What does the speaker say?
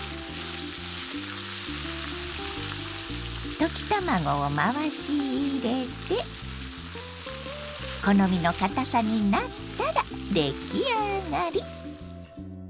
溶き卵を回し入れて好みのかたさになったら出来上がり！